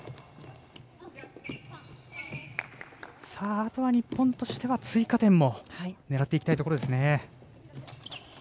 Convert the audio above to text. あとは日本としては追加点も狙っていきたいところですね。